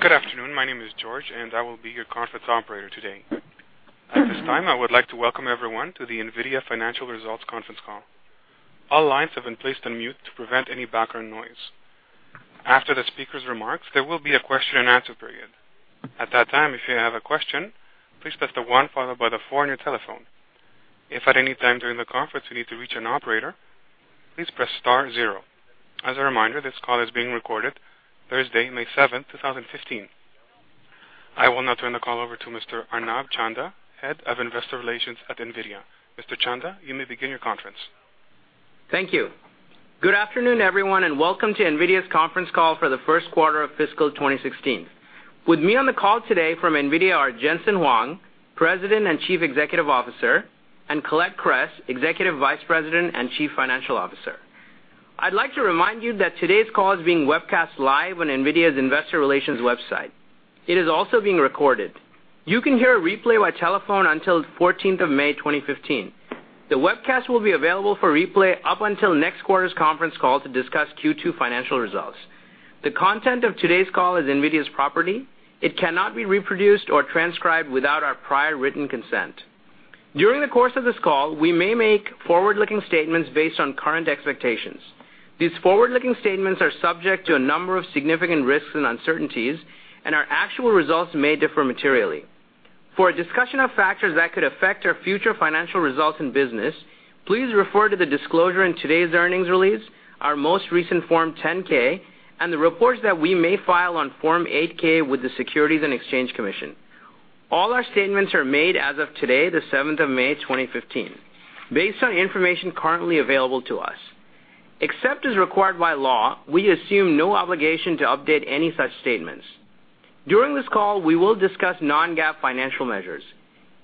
Good afternoon. My name is George, and I will be your conference operator today. At this time, I would like to welcome everyone to the NVIDIA Financial Results Conference Call. All lines have been placed on mute to prevent any background noise. After the speaker's remarks, there will be a question and answer period. At that time, if you have a question, please press the one followed by the four on your telephone. If at any time during the conference you need to reach an operator, please press star zero. As a reminder, this call is being recorded Thursday, May seventh, 2015. I will now turn the call over to Mr. Arnab Chanda, Head of Investor Relations at NVIDIA. Mr. Chanda, you may begin your conference. Thank you. Good afternoon, everyone, and welcome to NVIDIA's conference call for the first quarter of fiscal 2016. With me on the call today from NVIDIA are Jensen Huang, President and Chief Executive Officer, and Colette Kress, Executive Vice President and Chief Financial Officer. I'd like to remind you that today's call is being webcast live on NVIDIA's investor relations website. It is also being recorded. You can hear a replay by telephone until the fourteenth of May 2015. The webcast will be available for replay up until next quarter's conference call to discuss Q2 financial results. The content of today's call is NVIDIA's property. It cannot be reproduced or transcribed without our prior written consent. During the course of this call, we may make forward-looking statements based on current expectations. These forward-looking statements are subject to a number of significant risks and uncertainties, our actual results may differ materially. For a discussion of factors that could affect our future financial results and business, please refer to the disclosure in today's earnings release, our most recent Form 10-K, and the reports that we may file on Form 8-K with the Securities and Exchange Commission. All our statements are made as of today, the seventh of May 2015, based on information currently available to us. Except as required by law, we assume no obligation to update any such statements. During this call, we will discuss non-GAAP financial measures.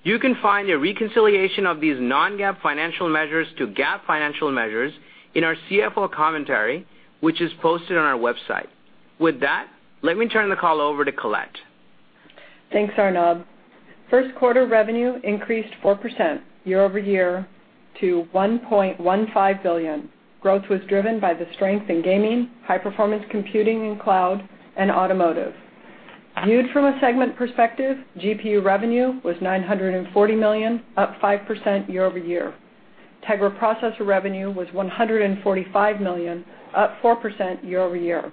You can find a reconciliation of these non-GAAP financial measures to GAAP financial measures in our CFO commentary, which is posted on our website. With that, let me turn the call over to Colette. Thanks, Arnab. First quarter revenue increased 4% year-over-year to $1.15 billion. Growth was driven by the strength in gaming, high-performance computing and cloud, and automotive. Viewed from a segment perspective, GPU revenue was $940 million, up 5% year-over-year. Tegra processor revenue was $145 million, up 4% year-over-year.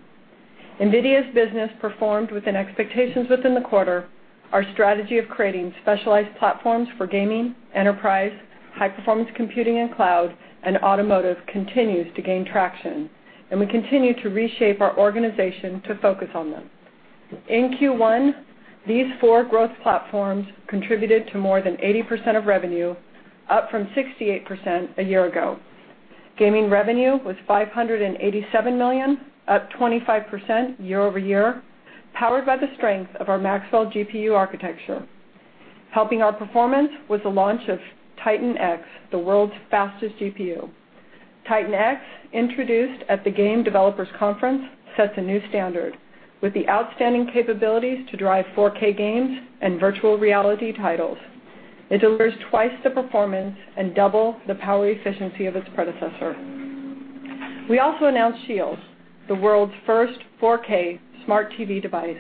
NVIDIA's business performed within expectations within the quarter. Our strategy of creating specialized platforms for gaming, enterprise, high-performance computing and cloud, and automotive continues to gain traction, and we continue to reshape our organization to focus on them. In Q1, these four growth platforms contributed to more than 80% of revenue, up from 68% a year ago. Gaming revenue was $587 million, up 25% year-over-year, powered by the strength of our Maxwell GPU architecture. Helping our performance was the launch of Titan X, the world's fastest GPU. Titan X, introduced at the Game Developers Conference, sets a new standard with the outstanding capabilities to drive 4K games and virtual reality titles. It delivers twice the performance and double the power efficiency of its predecessor. We also announced Shield, the world's first 4K smart TV device.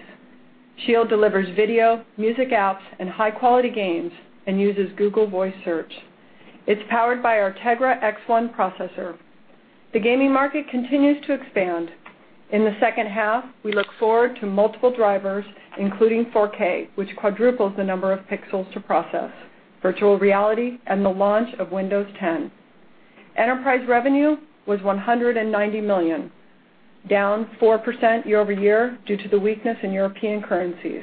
Shield delivers video, music apps, and high-quality games and uses Google Voice Search. It's powered by our Tegra X1 processor. The gaming market continues to expand. In the second half, we look forward to multiple drivers, including 4K, which quadruples the number of pixels to process, virtual reality, and the launch of Windows 10. Enterprise revenue was $190 million, down 4% year-over-year due to the weakness in European currencies.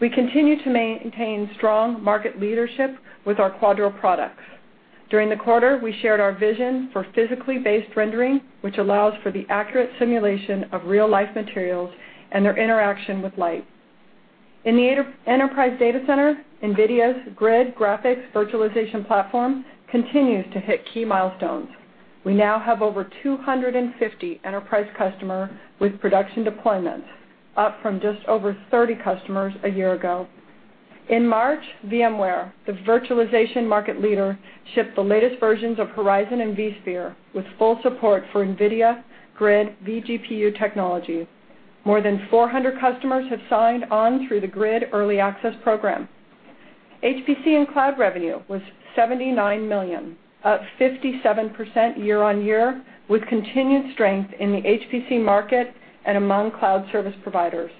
We continue to maintain strong market leadership with our Quadro products. During the quarter, we shared our vision for physically-based rendering, which allows for the accurate simulation of real-life materials and their interaction with light. In the enterprise data center, NVIDIA's GRID graphics virtualization platform continues to hit key milestones. We now have over 250 enterprise customers with production deployments, up from just over 30 customers a year ago. In March, VMware, the virtualization market leader, shipped the latest versions of Horizon and vSphere with full support for NVIDIA GRID vGPU technology. More than 400 customers have signed on through the GRID Early Access Program. HPC and cloud revenue was $79 million, up 57% year-on-year, with continued strength in the HPC market and among cloud service providers.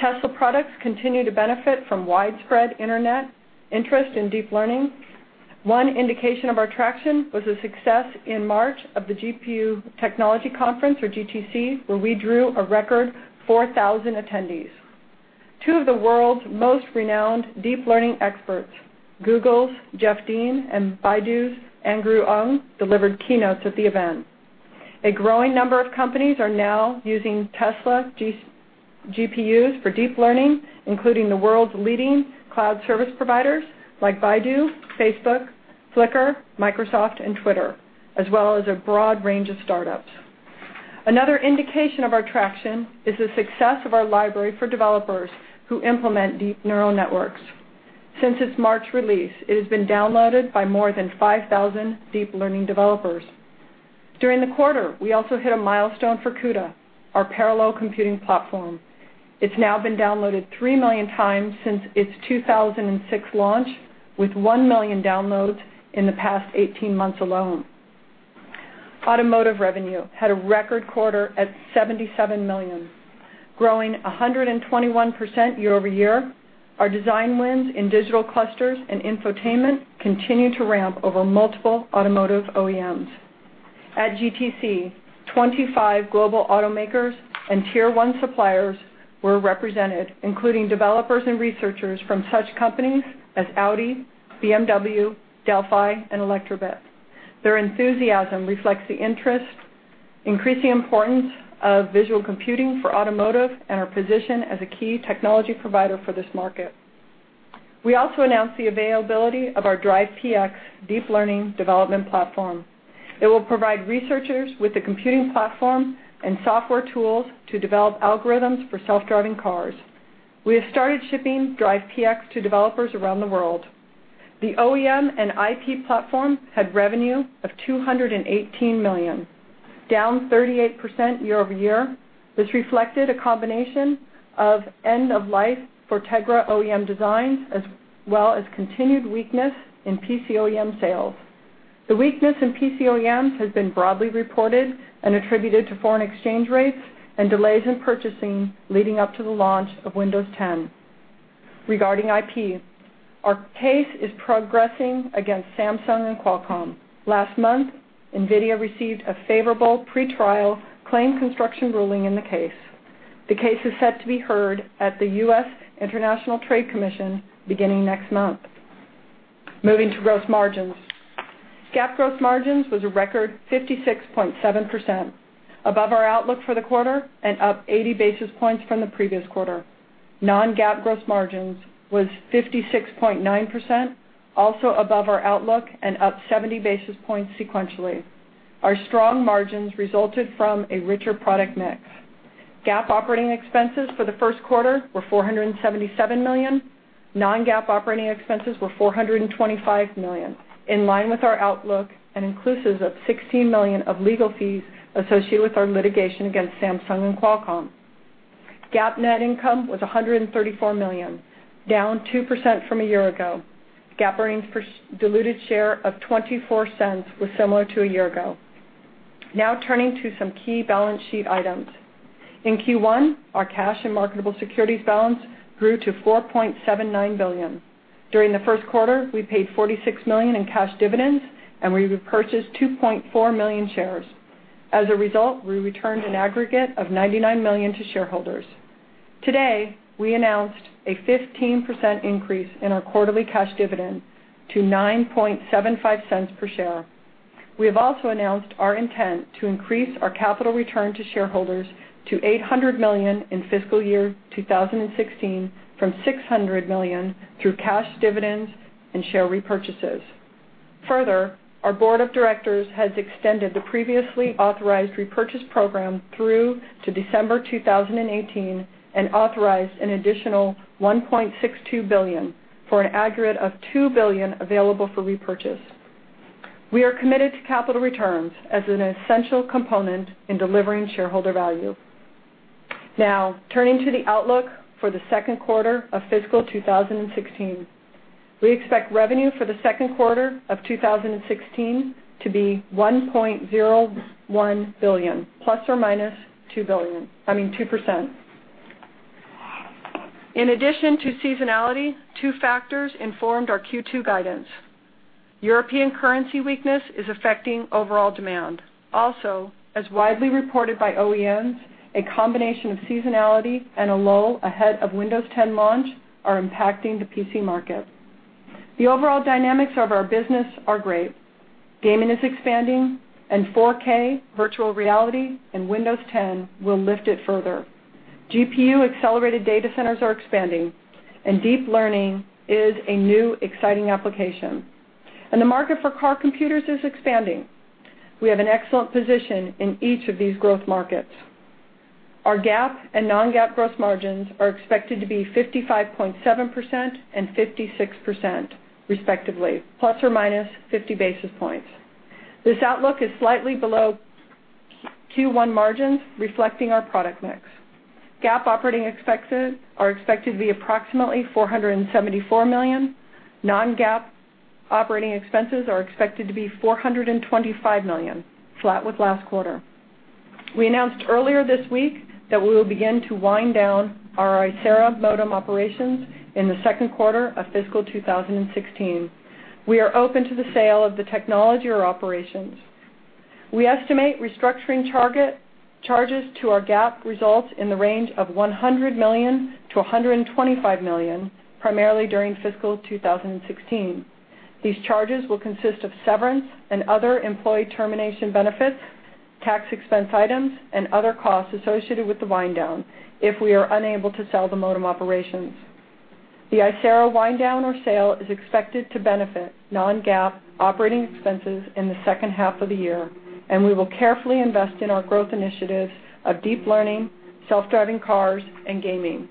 Tesla products continue to benefit from widespread Internet interest in deep learning. One indication of our traction was the success in March of the GPU Technology Conference, or GTC, where we drew a record 4,000 attendees. Two of the world's most renowned deep learning experts, Google's Jeff Dean and Baidu's Andrew Ng, delivered keynotes at the event. A growing number of companies are now using Tesla GPUs for deep learning, including the world's leading cloud service providers like Baidu, Facebook, Flickr, Microsoft, and Twitter, as well as a broad range of startups. Another indication of our traction is the success of our library for developers who implement deep neural networks. Since its March release, it has been downloaded by more than 5,000 deep learning developers. During the quarter, we also hit a milestone for CUDA, our parallel computing platform. It's now been downloaded 3 million times since its 2006 launch, with 1 million downloads in the past 18 months alone. Automotive revenue had a record quarter at $77 million, growing 121% year-over-year. Our design wins in digital clusters and infotainment continue to ramp over multiple automotive OEMs. At GTC, 25 global automakers and tier 1 suppliers were represented, including developers and researchers from such companies as Audi, BMW, Delphi, and Elektrobit. Their enthusiasm reflects the interest, increasing importance of visual computing for automotive, and our position as a key technology provider for this market. We also announced the availability of our DRIVE PX deep learning development platform. It will provide researchers with the computing platform and software tools to develop algorithms for self-driving cars. We have started shipping DRIVE PX to developers around the world. The OEM and IP platform had revenue of $218 million, down 38% year-over-year. This reflected a combination of end of life for Tegra OEM designs, as well as continued weakness in PC OEM sales. The weakness in PC OEMs has been broadly reported and attributed to foreign exchange rates and delays in purchasing leading up to the launch of Windows 10. Regarding IP, our case is progressing against Samsung and Qualcomm. Last month, NVIDIA received a favorable pre-trial claim construction ruling in the case. The case is set to be heard at the U.S. International Trade Commission beginning next month. Moving to gross margins. GAAP gross margins was a record 56.7%, above our outlook for the quarter and up 80 basis points from the previous quarter. Non-GAAP gross margins was 56.9%, also above our outlook and up 70 basis points sequentially. Our strong margins resulted from a richer product mix. GAAP operating expenses for the first quarter were $477 million. Non-GAAP operating expenses were $425 million, in line with our outlook and inclusive of $16 million of legal fees associated with our litigation against Samsung and Qualcomm. GAAP net income was $134 million, down 2% from a year ago. GAAP earnings for diluted share of $0.24 was similar to a year ago. Now turning to some key balance sheet items. In Q1, our cash and marketable securities balance grew to $4.79 billion. During the first quarter, we paid $46 million in cash dividends, and we repurchased 2.4 million shares. As a result, we returned an aggregate of $99 million to shareholders. Today, we announced a 15% increase in our quarterly cash dividend to $0.0975 per share. We have also announced our intent to increase our capital return to shareholders to $800 million in fiscal year 2016 from $600 million through cash dividends and share repurchases. Further, our board of directors has extended the previously authorized repurchase program through to December 2018 and authorized an additional $1.62 billion for an aggregate of $2 billion available for repurchase. We are committed to capital returns as an essential component in delivering shareholder value. Now, turning to the outlook for the second quarter of fiscal 2016. We expect revenue for the second quarter of 2016 to be $1.01 billion, plus or minus 2%. In addition to seasonality, two factors informed our Q2 guidance. European currency weakness is affecting overall demand. Also, as widely reported by OEMs, a combination of seasonality and a lull ahead of Windows 10 launch are impacting the PC market. The overall dynamics of our business are great. Gaming is expanding, and 4K, virtual reality, and Windows 10 will lift it further. GPU accelerated data centers are expanding, and deep learning is a new exciting application. The market for car computers is expanding. We have an excellent position in each of these growth markets. Our GAAP and non-GAAP gross margins are expected to be 55.7% and 56%, respectively, plus or minus 50 basis points. This outlook is slightly below Q1 margins, reflecting our product mix. GAAP operating expenses are expected to be approximately $474 million. Non-GAAP operating expenses are expected to be $425 million, flat with last quarter. We announced earlier this week that we will begin to wind down our Icera modem operations in the second quarter of fiscal 2016. We are open to the sale of the technology or operations. We estimate restructuring charges to our GAAP results in the range of $100 million to $125 million, primarily during fiscal 2016. These charges will consist of severance and other employee termination benefits, tax expense items, and other costs associated with the wind down if we are unable to sell the modem operations. The Icera wind down or sale is expected to benefit non-GAAP operating expenses in the second half of the year, and we will carefully invest in our growth initiatives of deep learning, self-driving cars, and gaming.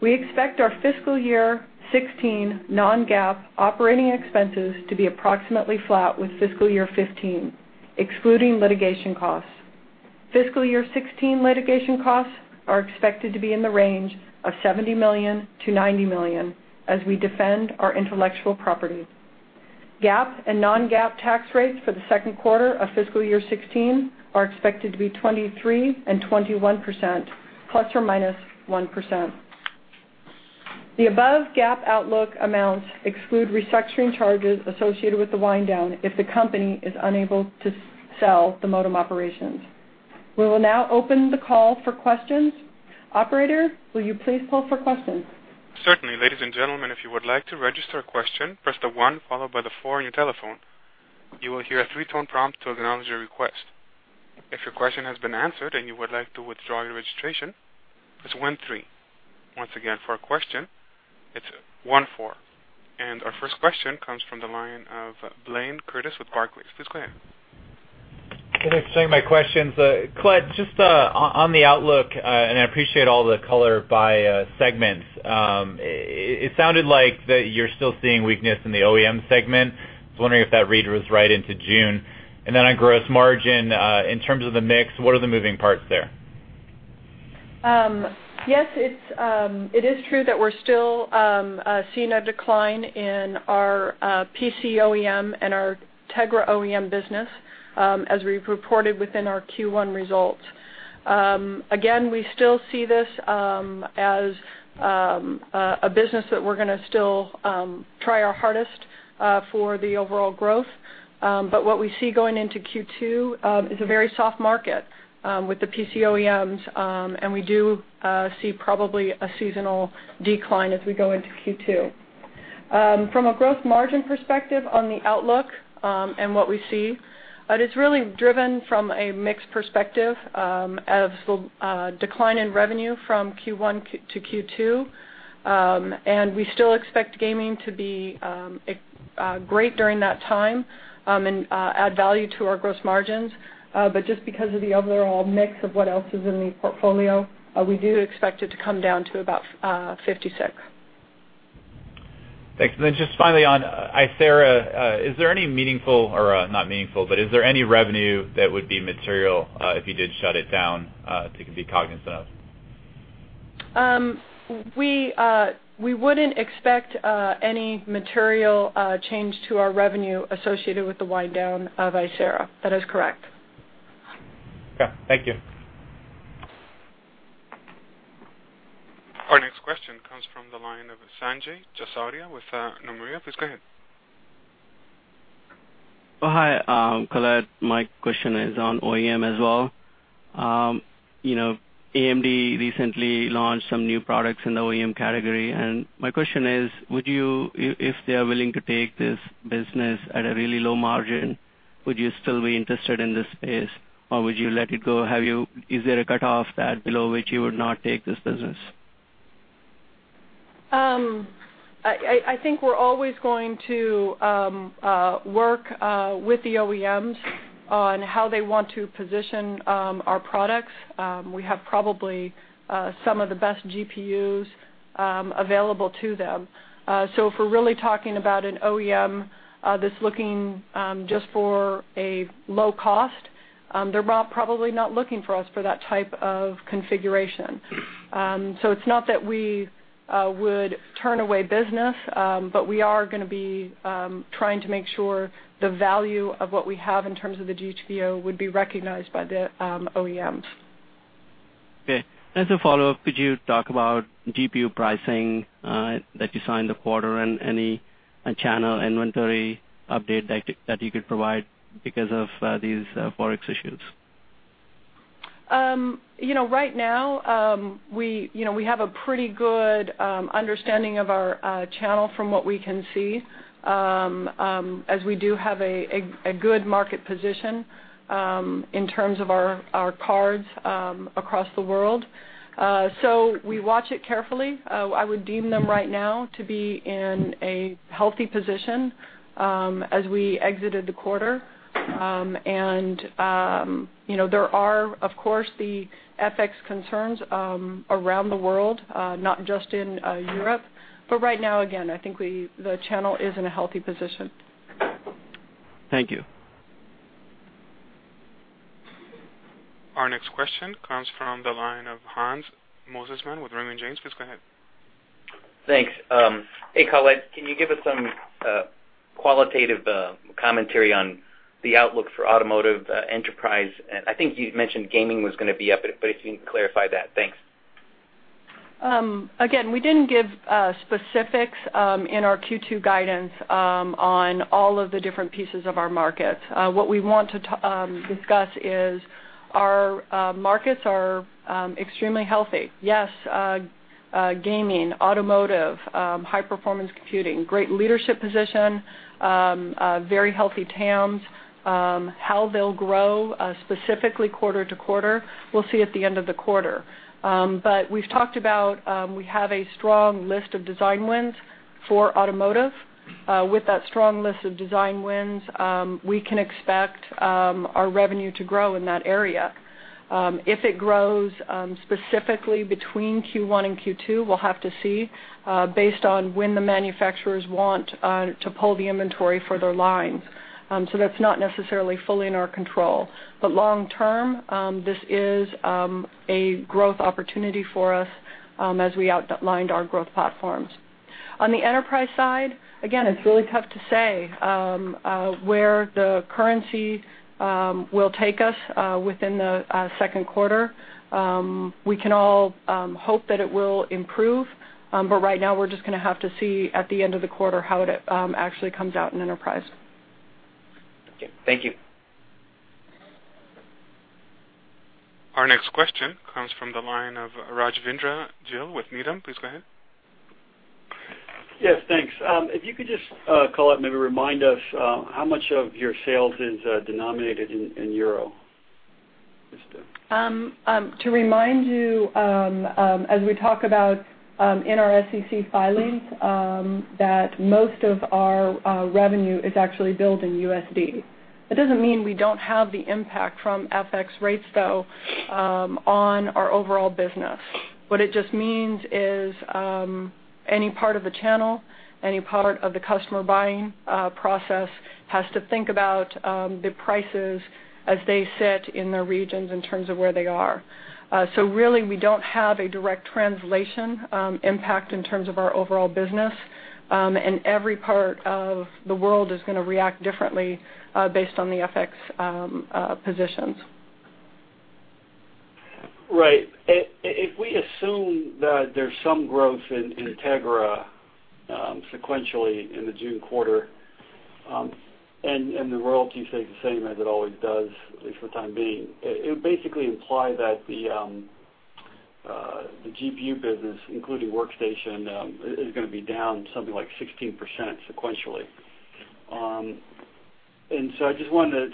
We expect our fiscal year 2016 non-GAAP operating expenses to be approximately flat with fiscal year 2015, excluding litigation costs. Fiscal year 2016 litigation costs are expected to be in the range of $70 million-$90 million as we defend our intellectual property. GAAP and non-GAAP tax rates for the second quarter of fiscal year 2016 are expected to be 23% and 21% ±1%. The above GAAP outlook amounts exclude restructuring charges associated with the wind down if the company is unable to sell the modem operations. We will now open the call for questions. Operator, will you please pull for questions? Certainly. Ladies and gentlemen, if you would like to register a question, press the one followed by the four on your telephone. You will hear a three-tone prompt to acknowledge your request. If your question has been answered and you would like to withdraw your registration, press one three. Once again, for a question, it's one four. Our first question comes from the line of Blayne Curtis with Barclays. Please go ahead. Good afternoon. My questions, Colette, just on the outlook, and I appreciate all the color by segments. It sounded like that you're still seeing weakness in the OEM segment. I was wondering if that read was right into June. Then on gross margin, in terms of the mix, what are the moving parts there? Yes, it is true that we're still seeing a decline in our PC OEM and our Tegra OEM business as we've reported within our Q1 results. We still see this as a business that we're going to still try our hardest for the overall growth. What we see going into Q2 is a very soft market with the PC OEMs, and we do see probably a seasonal decline as we go into Q2. From a gross margin perspective on the outlook and what we see, it's really driven from a mix perspective as the decline in revenue from Q1 to Q2. We still expect gaming to be great during that time and add value to our gross margins. Just because of the overall mix of what else is in the portfolio, we do expect it to come down to about 56%. Thanks. Just finally on Icera, is there any revenue that would be material if you did shut it down that you could be cognizant of? We wouldn't expect any material change to our revenue associated with the wind down of Icera. That is correct. Okay, thank you. Our next question comes from the line of Sanjay Chaurasia with Nomura. Please go ahead. Hi, Colette. My question is on OEM as well. AMD recently launched some new products in the OEM category, my question is, if they are willing to take this business at a really low margin, would you still be interested in this space, would you let it go? Is there a cutoff that below which you would not take this business? I think we're always going to work with the OEMs on how they want to position our products. We have probably some of the best GPUs available to them. If we're really talking about an OEM that's looking just for a low cost, they're probably not looking for us for that type of configuration. It's not that we would turn away business, but we are going to be trying to make sure the value of what we have in terms of the GPU would be recognized by the OEMs. Okay. As a follow-up, could you talk about GPU pricing that you saw in the quarter and any channel inventory update that you could provide because of these Forex issues? Right now, we have a pretty good understanding of our channel from what we can see, as we do have a good market position in terms of our cards across the world. We watch it carefully. I would deem them right now to be in a healthy position as we exited the quarter. There are, of course, the FX concerns around the world, not just in Europe. Right now, again, I think the channel is in a healthy position. Thank you. Our next question comes from the line of Hans Mosesmann with Raymond James. Please go ahead. Thanks. Hey, Colette, can you give us some qualitative commentary on the outlook for automotive enterprise? I think you mentioned gaming was going to be up, but if you can clarify that. Thanks. We didn't give specifics in our Q2 guidance on all of the different pieces of our markets. What we want to discuss is our markets are extremely healthy. Yes, gaming, automotive, high performance computing, great leadership position, very healthy TAMs. How they'll grow, specifically quarter-to-quarter, we'll see at the end of the quarter. We've talked about how we have a strong list of design wins for automotive. With that strong list of design wins, we can expect our revenue to grow in that area. If it grows specifically between Q1 and Q2, we'll have to see, based on when the manufacturers want to pull the inventory for their lines. That's not necessarily fully in our control. Long term, this is a growth opportunity for us as we outlined our growth platforms. On the enterprise side, again, it's really tough to say where the currency will take us within the second quarter. We can all hope that it will improve. Right now, we're just going to have to see at the end of the quarter how it actually comes out in enterprise. Okay. Thank you. Our next question comes from the line of Rajvindra Gill with Needham. Please go ahead. Yes, thanks. If you could just, Colette, maybe remind us how much of your sales is denominated in euro? To remind you, as we talk about in our SEC filings, that most of our revenue is actually billed in USD. That doesn't mean we don't have the impact from FX rates, though, on our overall business. What it just means is any part of the channel, any part of the customer buying process has to think about the prices as they sit in their regions in terms of where they are. Really, we don't have a direct translation impact in terms of our overall business, and every part of the world is going to react differently based on the FX positions. Right. If we assume that there's some growth in Tegra sequentially in the June quarter, and the royalty stays the same as it always does, at least for the time being, it would basically imply that the GPU business, including workstation, is going to be down something like 16% sequentially. I just wanted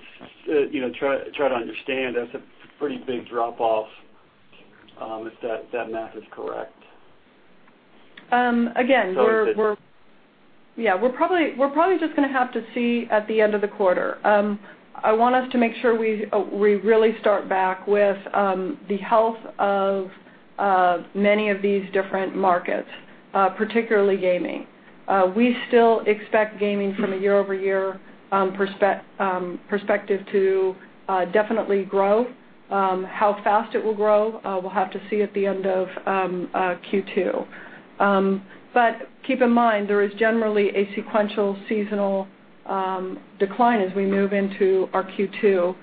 to try to understand, that's a pretty big drop-off if that math is correct. Again, we're So it's- Yeah, we're probably just going to have to see at the end of the quarter. I want us to make sure we really start back with the health of many of these different markets, particularly gaming. We still expect gaming from a year-over-year perspective to definitely grow. How fast it will grow, we'll have to see at the end of Q2. Keep in mind, there is generally a sequential seasonal decline as we move into our Q2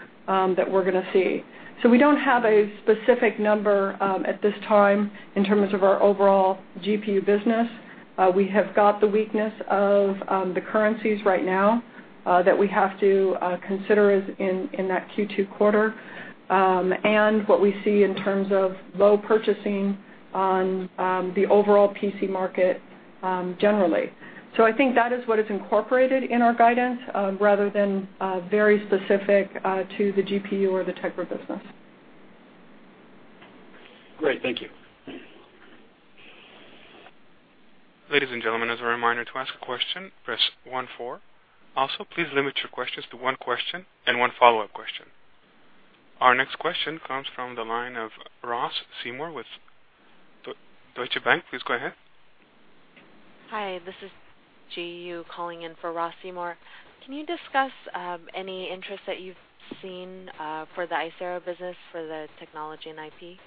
that we're going to see. We don't have a specific number at this time in terms of our overall GPU business. We have got the weakness of the currencies right now that we have to consider in that Q2 quarter, and what we see in terms of low purchasing on the overall PC market generally. I think that is what is incorporated in our guidance rather than very specific to the GPU or the Tegra business. Great. Thank you. Ladies and gentlemen, as a reminder, to ask a question, press 14. Also, please limit your questions to one question and one follow-up question. Our next question comes from the line of Ross Seymore with Deutsche Bank. Please go ahead. Hi, this is Ji Yu calling in for Ross Seymore. Can you discuss any interest that you've seen for the Icera business for the technology and IP?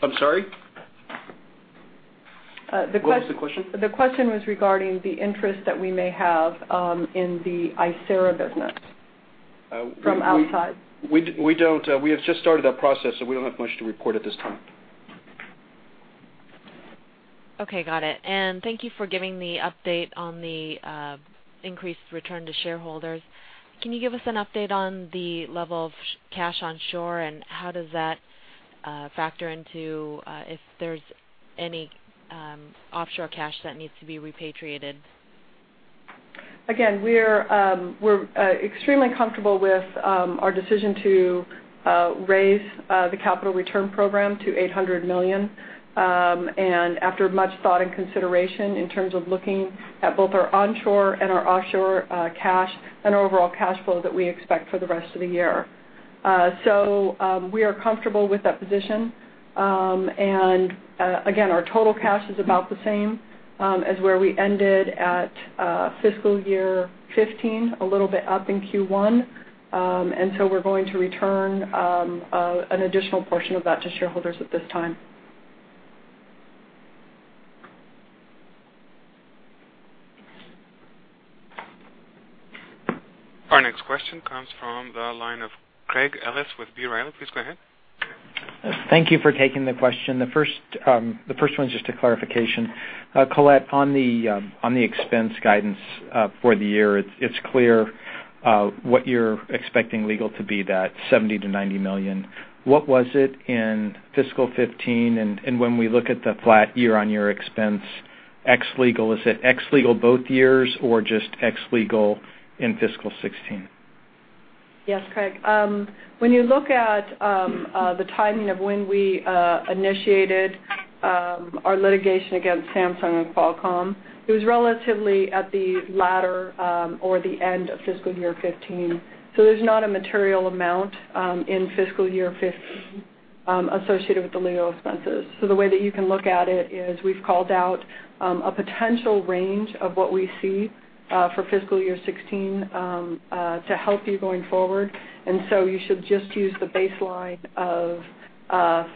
I'm sorry. What was the question? The question was regarding the interest that we may have in the Icera business from outside. We have just started that process, so we don't have much to report at this time. Okay, got it. Thank you for giving the update on the increased return to shareholders. Can you give us an update on the level of cash onshore, and how does that factor into if there's any offshore cash that needs to be repatriated? Again, we're extremely comfortable with our decision to raise the capital return program to $800 million, and after much thought and consideration in terms of looking at both our onshore and our offshore cash and overall cash flow that we expect for the rest of the year. We are comfortable with that position. Again, our total cash is about the same as where we ended at fiscal year 2015, a little bit up in Q1. We're going to return an additional portion of that to shareholders at this time. Our next question comes from the line of Craig Ellis with B. Riley. Please go ahead. Thank you for taking the question. The first one's just a clarification. Colette, on the expense guidance for the year, it's clear what you're expecting legal to be, that $70 million-$90 million. What was it in fiscal 2015? When we look at the flat year-on-year expense, ex legal, is it ex legal both years or just ex legal in fiscal 2016? Yes, Craig. When you look at the timing of when we initiated our litigation against Samsung and Qualcomm, it was relatively at the latter or the end of fiscal year 2015. There's not a material amount in fiscal year 2015 associated with the legal expenses. The way that you can look at it is we've called out a potential range of what we see for fiscal year 2016 to help you going forward, you should just use the baseline of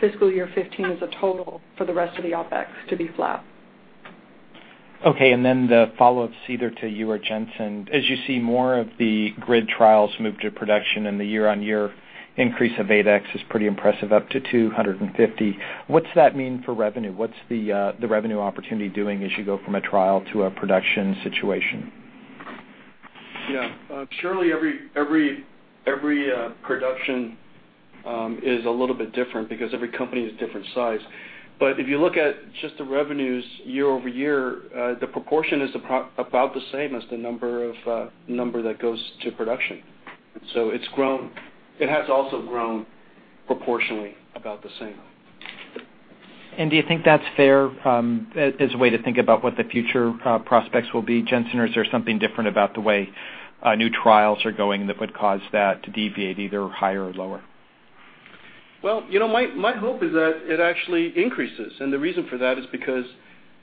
fiscal year 2015 as a total for the rest of the OpEx to be flat. Okay, the follow-up, Colette, to you or Jensen. As you see more of the GRID trials move to production and the year-on-year increase of 8x is pretty impressive, up to 250. What's that mean for revenue? What's the revenue opportunity doing as you go from a trial to a production situation? Yeah. Surely every production is a little bit different because every company is different size. If you look at just the revenues year-over-year, the proportion is about the same as the number that goes to production. It has also grown proportionally about the same. Do you think that's fair as a way to think about what the future prospects will be, Jensen? Is there something different about the way new trials are going that would cause that to deviate either higher or lower? Well, my hope is that it actually increases. The reason for that is because,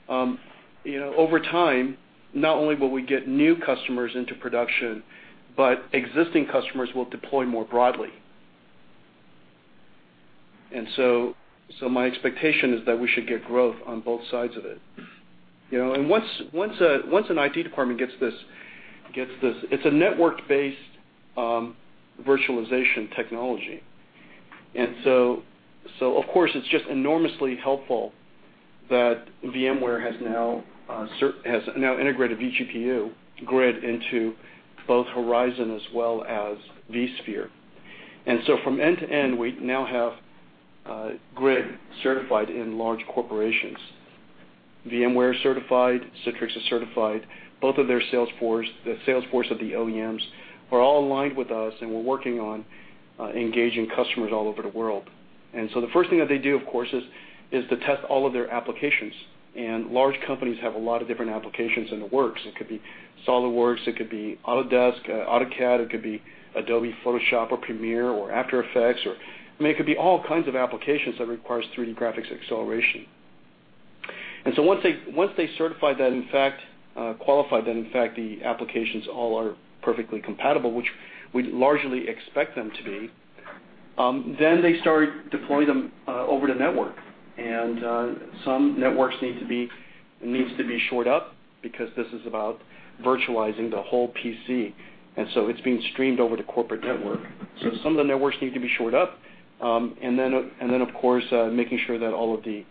over time, not only will we get new customers into production, but existing customers will deploy more broadly. My expectation is that we should get growth on both sides of it. Once an IT department gets this. It's a network-based virtualization technology. Of course, it's just enormously helpful that VMware has now integrated vGPU GRID into both Horizon as well as vSphere. From end to end, we now have GRID certified in large corporations. VMware certified, Citrix is certified, both of their sales force, the sales force of the OEMs are all aligned with us, and we're working on engaging customers all over the world. The first thing that they do, of course, is to test all of their applications. Large companies have a lot of different applications in the works. It could be SOLIDWORKS, it could be Autodesk, AutoCAD, it could be Adobe Photoshop or Premiere or After FX, or it could be all kinds of applications that requires 3D graphics acceleration. Once they certify that in fact, qualify that in fact the applications all are perfectly compatible, which we largely expect them to be, then they start deploying them over the network. Some networks needs to be shored up because this is about virtualizing the whole PC. It's being streamed over the corporate network. Some of the networks need to be shored up. Of course, making sure that all of the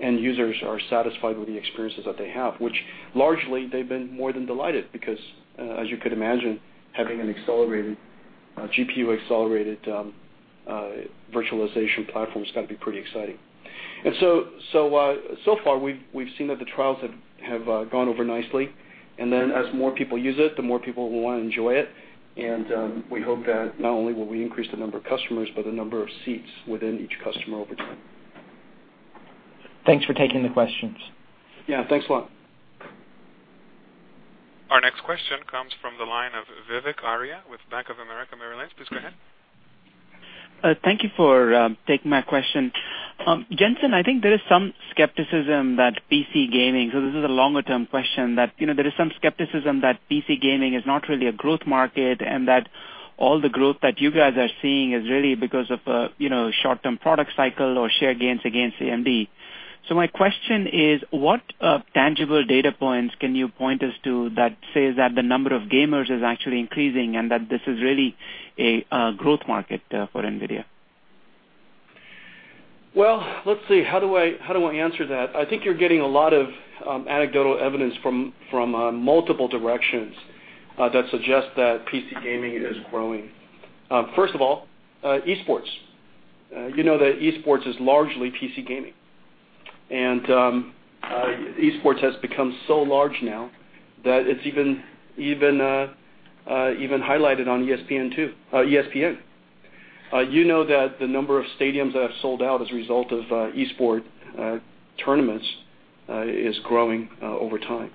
end users are satisfied with the experiences that they have, which largely they've been more than delighted because as you could imagine, having a GPU-accelerated virtualization platform has got to be pretty exciting. So far, we've seen that the trials have gone over nicely. As more people use it, the more people will want to enjoy it. We hope that not only will we increase the number of customers, but the number of seats within each customer over time. Thanks for taking the questions. Yeah. Thanks a lot. Our next question comes from the line of Vivek Arya with Bank of America Merrill Lynch. Please go ahead. Thank you for taking my question. Jensen, I think there is some skepticism that PC gaming, so this is a longer-term question, that there is some skepticism that PC gaming is not really a growth market, and that all the growth that you guys are seeing is really because of short-term product cycle or share gains against AMD. My question is, what tangible data points can you point us to that says that the number of gamers is actually increasing and that this is really a growth market for NVIDIA? Well, let's see. How do I answer that? I think you're getting a lot of anecdotal evidence from multiple directions that suggest that PC gaming is growing. First of all, esports. You know that esports is largely PC gaming. Esports has become so large now that it's even highlighted on ESPN. You know that the number of stadiums that have sold out as a result of esports tournaments is growing over time.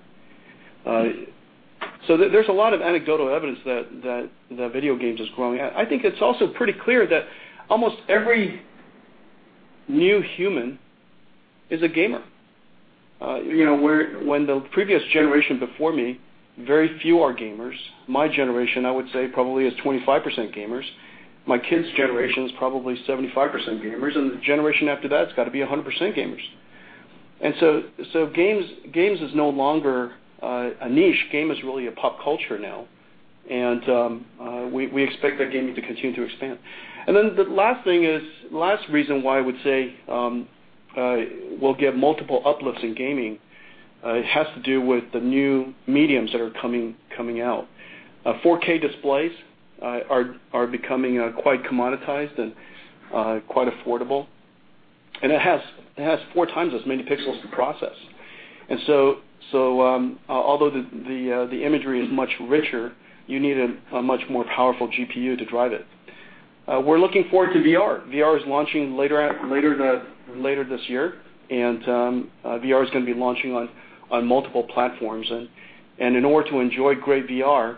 There's a lot of anecdotal evidence that video games is growing. I think it's also pretty clear that almost every new human is a gamer. When the previous generation before me, very few are gamers. My generation, I would say, probably is 25% gamers. My kids' generation is probably 75% gamers, the generation after that's got to be 100% gamers. Games is no longer a niche. Game is really a pop culture now, we expect that gaming to continue to expand. The last reason why I would say we'll get multiple uplifts in gaming, it has to do with the new mediums that are coming out. 4K displays are becoming quite commoditized and quite affordable. It has four times as many pixels to process. Although the imagery is much richer, you need a much more powerful GPU to drive it. We're looking forward to VR. VR is launching later this year, VR is going to be launching on multiple platforms. In order to enjoy great VR,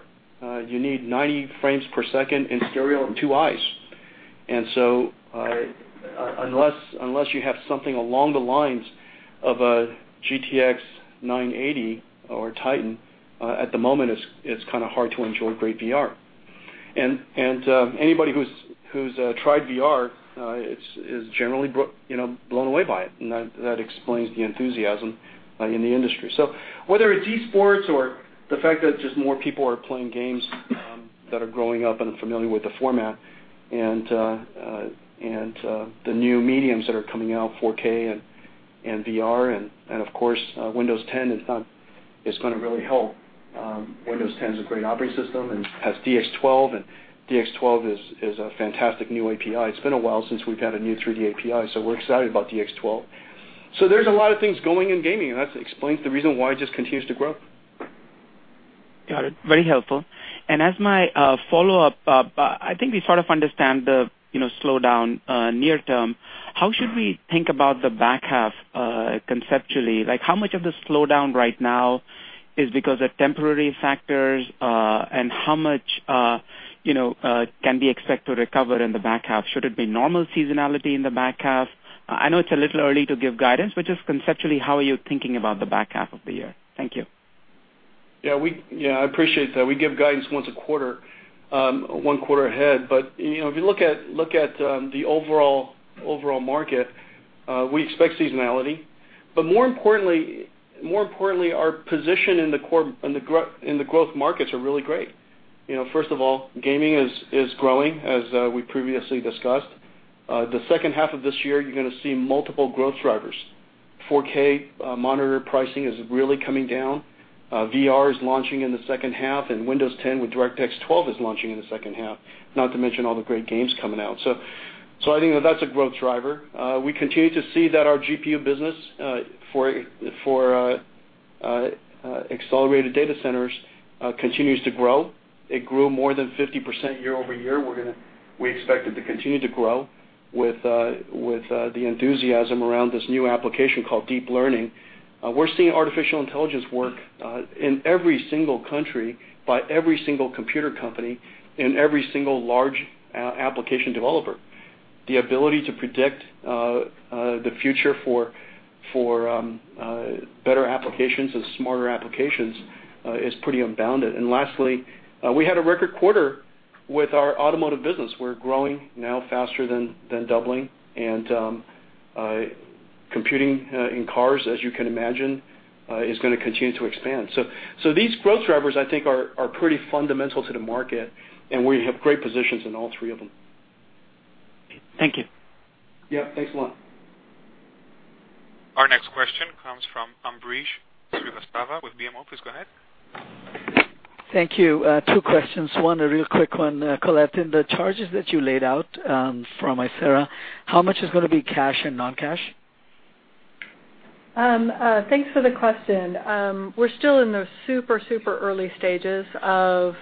you need 90 frames per second in stereo and two eyes. Unless you have something along the lines of a GTX 980 or Titan, at the moment, it's kind of hard to enjoy great VR. Anybody who's tried VR is generally blown away by it. That explains the enthusiasm in the industry. Whether it's esports or the fact that just more people are playing games that are growing up and familiar with the format, the new mediums that are coming out, 4K and VR, of course, Windows 10 is going to really help. Windows 10 is a great operating system and has DX12 is a fantastic new API. It's been a while since we've had a new 3D API, we're excited about DX12. There's a lot of things going in gaming, that explains the reason why it just continues to grow. Got it. Very helpful. As my follow-up, I think we sort of understand the slowdown near term. How should we think about the back half conceptually? How much of the slowdown right now is because of temporary factors, how much can be expected to recover in the back half? Should it be normal seasonality in the back half? I know it's a little early to give guidance, just conceptually, how are you thinking about the back half of the year? Thank you. Yeah, I appreciate that. We give guidance once a quarter, one quarter ahead. If you look at the overall market, we expect seasonality. More importantly, our position in the growth markets are really great. First of all, gaming is growing, as we previously discussed. The second half of this year, you're going to see multiple growth drivers. 4K monitor pricing is really coming down. VR is launching in the second half, Windows 10 with DirectX 12 is launching in the second half, not to mention all the great games coming out. I think that that's a growth driver. We continue to see that our GPU business for accelerated data centers continues to grow. It grew more than 50% year-over-year. We expect it to continue to grow with the enthusiasm around this new application called deep learning. We're seeing artificial intelligence work in every single country by every single computer company and every single large application developer. The ability to predict the future for better applications and smarter applications is pretty unbounded. Lastly, we had a record quarter with our automotive business. We're growing now faster than doubling. Computing in cars, as you can imagine, is going to continue to expand. These growth drivers, I think, are pretty fundamental to the market, and we have great positions in all three of them. Thank you. Yeah. Thanks a lot. Our next question comes from Ambrish Srivastava with BMO. Please go ahead. Thank you. Two questions. One, a real quick one, Colette, in the charges that you laid out from Icera, how much is going to be cash and non-cash? Thanks for the question. We're still in the super early stages of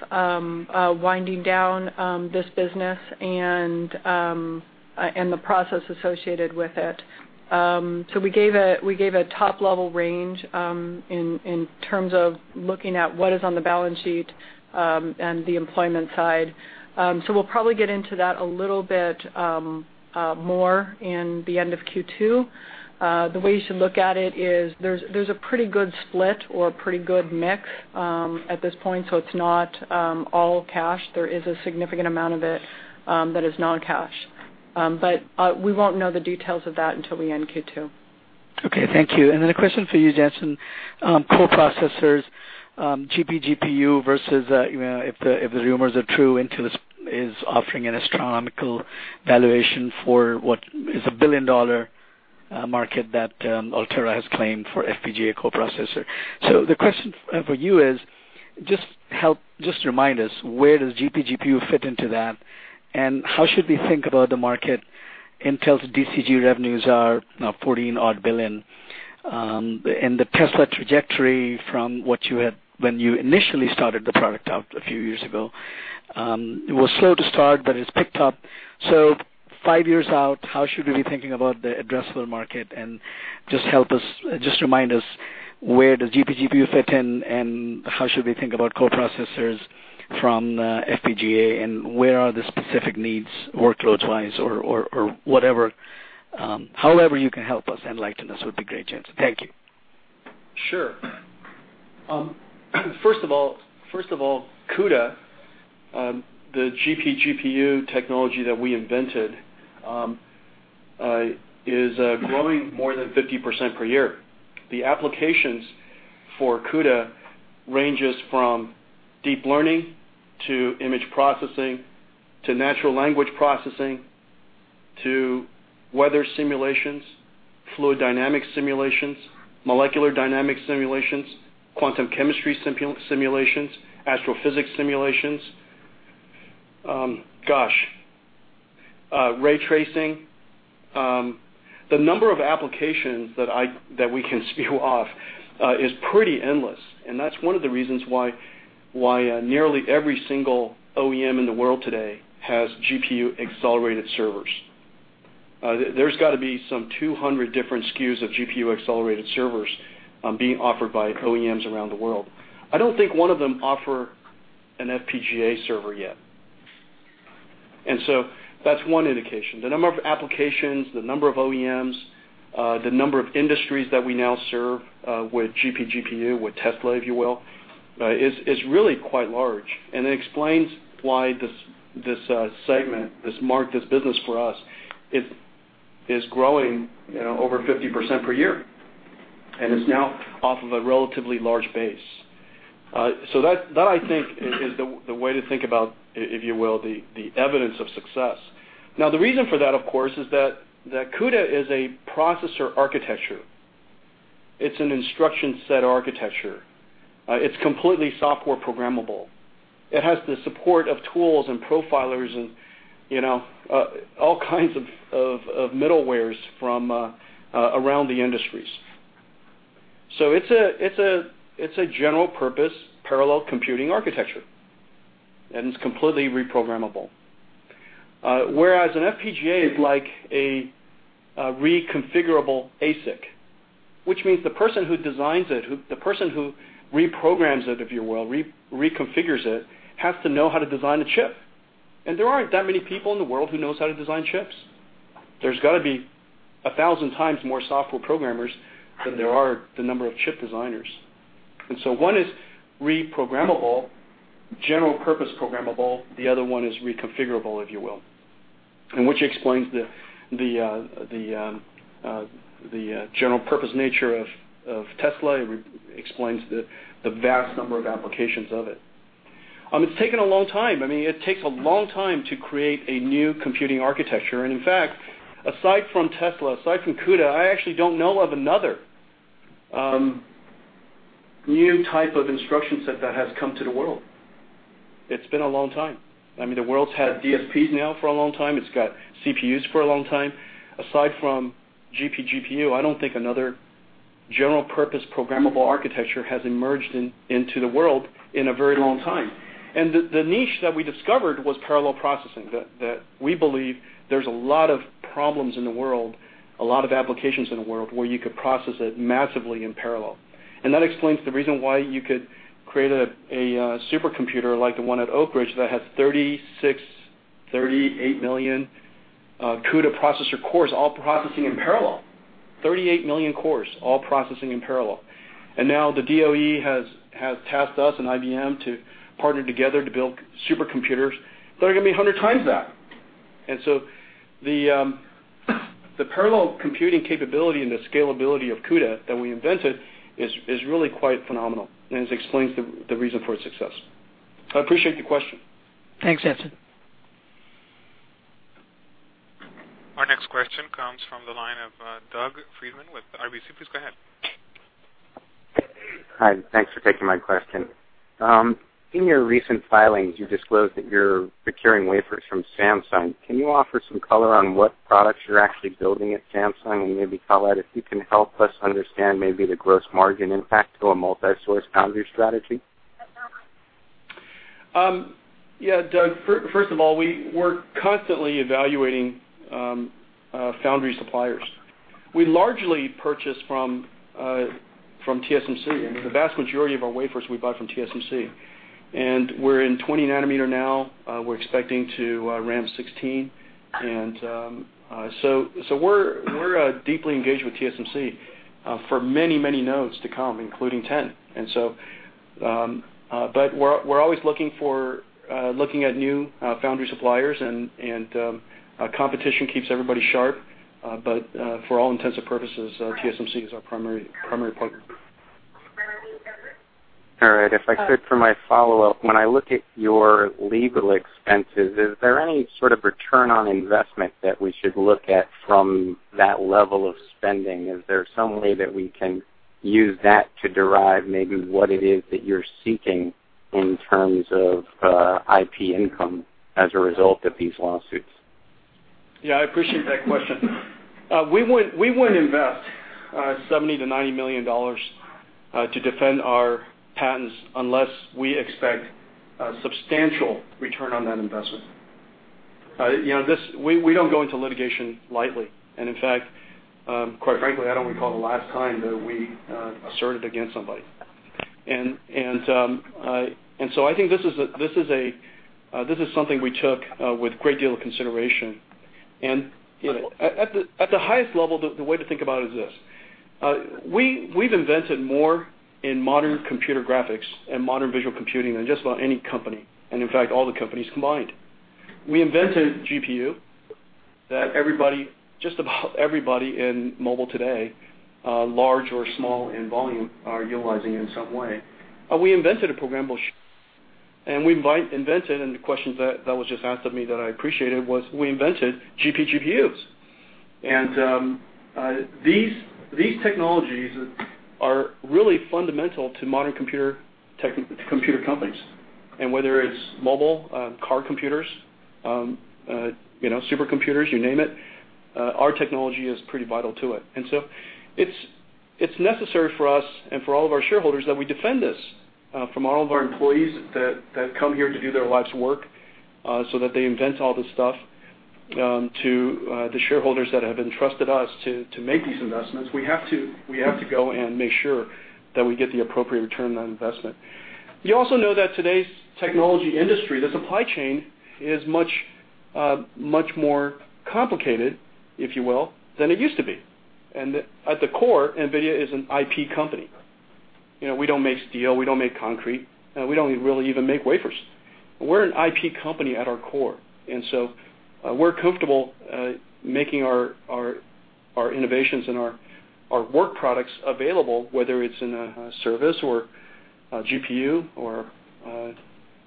winding down this business and the process associated with it. We gave a top-level range in terms of looking at what is on the balance sheet and the employment side. We'll probably get into that a little bit more in the end of Q2. The way you should look at it is there's a pretty good split or a pretty good mix at this point, so it's not all cash. There is a significant amount of it that is non-cash. We won't know the details of that until we end Q2. Okay. Thank you. A question for you, Jensen. Core processors, GPGPU versus, if the rumors are true, Intel is offering an astronomical valuation for what is a billion-dollar market that Altera has claimed for FPGA co-processors. The question for you is, just remind us, where does GPGPU fit into that, and how should we think about the market? Intel's DCG revenues are $14-odd billion, the Tesla trajectory from when you initially started the product out a few years ago, it was slow to start, it's picked up. Five years out, how should we be thinking about the addressable market? Just remind us where does GPGPU fit in, and how should we think about co-processor from FPGA and where are the specific needs, workloads-wise or whatever. You can help us enlighten us would be great, Jensen. Thank you. Sure. First of all, CUDA, the GPGPU technology that we invented, is growing more than 50% per year. The applications for CUDA ranges from deep learning to image processing, to natural language processing, to weather simulations, fluid dynamic simulations, molecular dynamic simulations, quantum chemistry simulations, astrophysics simulations. Gosh. Ray tracing. The number of applications that we can spew off is pretty endless, and that's one of the reasons why nearly every single OEM in the world today has GPU-accelerated servers. There's got to be some 200 different SKUs of GPU-accelerated servers being offered by OEMs around the world. I don't think one of them offer an FPGA server yet. That's one indication. The number of applications, the number of OEMs, the number of industries that we now serve with GPGPU, with Tesla, if you will, is really quite large and it explains why this segment, this market, this business for us is growing over 50% per year and is now off of a relatively large base. That, I think, is the way to think about, if you will, the evidence of success. Now, the reason for that, of course, is that CUDA is a processor architecture. It's an instruction set architecture. It's completely software programmable. It has the support of tools and profilers and all kinds of middlewares from around the industries. It's a general purpose parallel computing architecture, and it's completely reprogrammable. Whereas an FPGA is like a reconfigurable ASIC, which means the person who designs it, the person who reprograms it, if you will, reconfigures it, has to know how to design a chip. There aren't that many people in the world who knows how to design chips. There's got to be 1,000 times more software programmers than there are the number of chip designers. One is reprogrammable, general purpose programmable. The other one is reconfigurable, if you will, which explains the general-purpose nature of Tesla. It explains the vast number of applications of it. It's taken a long time. It takes a long time to create a new computing architecture. In fact, aside from Tesla, aside from CUDA, I actually don't know of another new type of instruction set that has come to the world. It's been a long time. The world's had DSPs now for a long time. It's got CPUs for a long time. Aside from GPGPU, I don't think another general purpose programmable architecture has emerged into the world in a very long time. The niche that we discovered was parallel processing, that we believe there's a lot of problems in the world, a lot of applications in the world, where you could process it massively in parallel. That explains the reason why you could create a supercomputer like the one at Oak Ridge that has 36, 38 million CUDA processor cores, all processing in parallel. 38 million cores, all processing in parallel. Now the DOE has tasked us and IBM to partner together to build supercomputers that are going to be 100 times that. The parallel computing capability and the scalability of CUDA that we invented is really quite phenomenal, and it explains the reason for its success. I appreciate the question. Thanks, Jensen. Our next question comes from the line of Doug Freedman with RBC. Please go ahead. Hi. Thanks for taking my question. In your recent filings, you disclosed that you're procuring wafers from Samsung. Can you offer some color on what products you're actually building at Samsung? Maybe, Colette, if you can help us understand maybe the gross margin impact to a multi-source foundry strategy. Doug, first of all, we're constantly evaluating foundry suppliers. We largely purchase from TSMC. The vast majority of our wafers we buy from TSMC, and we're in 20 nanometer now. We're expecting to ramp 16. So we're deeply engaged with TSMC for many, many nodes to come, including 10. We're always looking at new foundry suppliers, and competition keeps everybody sharp. For all intents and purposes, TSMC is our primary partner. All right. If I could, for my follow-up, when I look at your legal expenses, is there any sort of return on investment that we should look at from that level of spending? Is there some way that we can use that to derive maybe what it is that you're seeking in terms of IP income as a result of these lawsuits? I appreciate that question. We wouldn't invest $70 million-$90 million to defend our patents unless we expect a substantial return on that investment. We don't go into litigation lightly. In fact, quite frankly, I don't recall the last time that we asserted against somebody. So I think this is something we took with great deal of consideration. At the highest level, the way to think about it is this. We've invented more in modern computer graphics and modern visual computing than just about any company, and in fact, all the companies combined. We invented GPU that just about everybody in mobile today, large or small in volume, are utilizing in some way. We invented a programmable, and we invented, and the question that was just asked of me that I appreciated was, we invented GPGPUs. These technologies are really fundamental to modern computer companies. Whether it's mobile, car computers, supercomputers, you name it, our technology is pretty vital to it. So it's necessary for us and for all of our shareholders that we defend this from all of our employees that come here to do their life's work, so that they invent all this stuff, to the shareholders that have entrusted us to make these investments. We have to go and make sure that we get the appropriate return on investment. You also know that today's technology industry, the supply chain, is much more complicated, if you will, than it used to be. At the core, NVIDIA is an IP company. We don't make steel, we don't make concrete, we don't really even make wafers. We're an IP company at our core. We're comfortable making our innovations and our work products available, whether it's in a service or a GPU or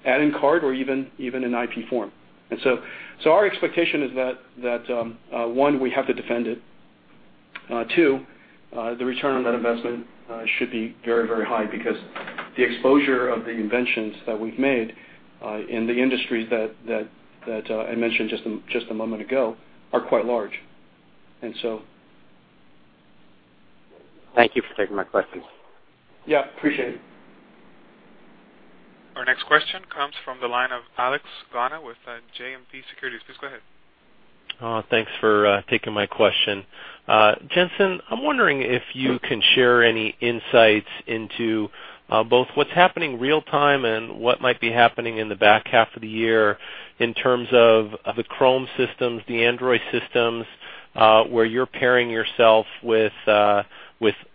add-in card or even in IP form. Our expectation is that, one, we have to defend it. Two, the return on that investment should be very, very high because the exposure of the inventions that we've made in the industries that I mentioned just a moment ago are quite large. Thank you for taking my questions. Yeah, appreciate it. Our next question comes from the line of Alex Gauna with JMP Securities. Please go ahead. Thanks for taking my question. Jensen, I'm wondering if you can share any insights into both what's happening real time and what might be happening in the back half of the year in terms of the Chrome systems, the Android systems, where you're pairing yourself with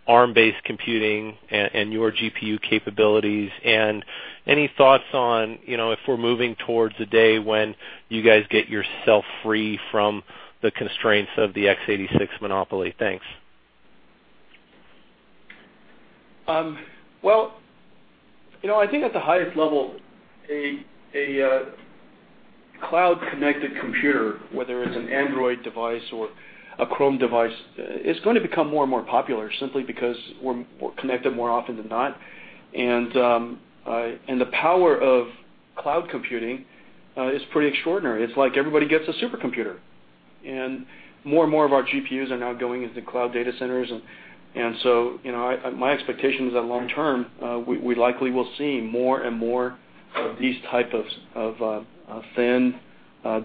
Arm-based computing and your GPU capabilities. Any thoughts on if we're moving towards a day when you guys get yourself free from the constraints of the x86 monopoly. Thanks. I think at the highest level, a cloud-connected computer, whether it's an Android device or a Chrome device, is going to become more and more popular simply because we're connected more often than not. The power of cloud computing is pretty extraordinary. It's like everybody gets a supercomputer. More and more of our GPUs are now going into cloud data centers. My expectation is that long term, we likely will see more and more of these type of thin,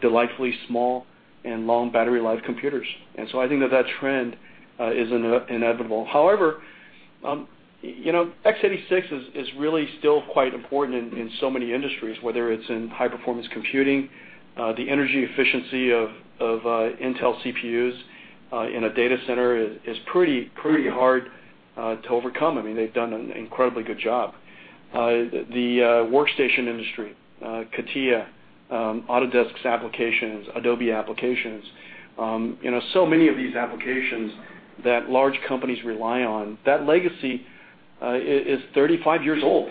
delightfully small, and long battery life computers. I think that that trend is inevitable. However, x86 is really still quite important in so many industries, whether it's in high-performance computing, the energy efficiency of Intel CPUs in a data center is pretty hard to overcome. They've done an incredibly good job. The workstation industry, CATIA, Autodesk's applications, Adobe applications, so many of these applications that large companies rely on, that legacy is 35 years old.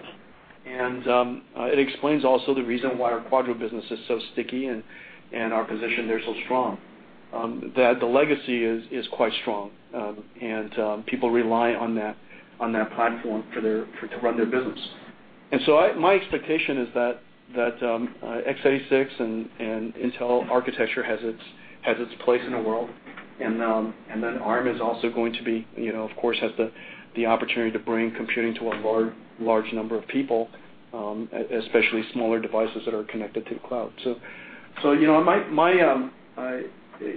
It explains also the reason why our Quadro business is so sticky and our position there so strong, that the legacy is quite strong. People rely on that platform to run their business. My expectation is that x86 and Intel architecture has its place in the world. Arm is also going to, of course, have the opportunity to bring computing to a large number of people, especially smaller devices that are connected to the cloud.